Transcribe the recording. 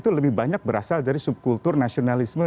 itu lebih banyak berasal dari subkultur nasionalisme